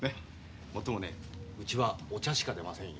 もっともねうちはお茶しか出ませんよ。